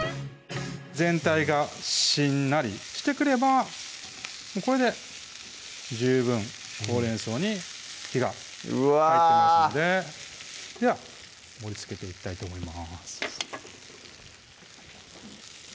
全体がしんなりしてくればこれで十分ほうれん草に火が入ってますのででは盛りつけていきたいと思います